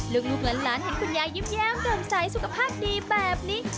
ลูกหลานเห็นคุณยายยิ้มแย้มดื่มใสสุขภาพดีแบบนี้